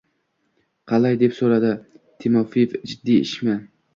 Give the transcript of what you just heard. Qalay? – deb soʻradi Timofeev. – Jiddiy ishmi?